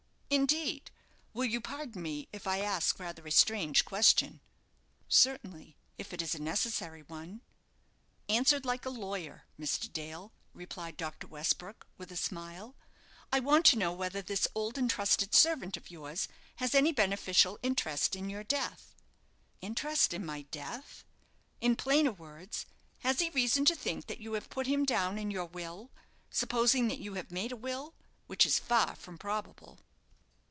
"Indeed! Will you pardon me if I ask rather a strange question?" "Certainly, if it is a necessary one." "Answered like a lawyer, Mr. Dale," replied Dr. Westbrook, with a smile. "I want to know whether this old and trusted servant of yours has any beneficial interest in your death?" "Interest in my death " "In plainer words, has he reason to think that you have put him down in your will supposing that you have made a will; which is far from probable?"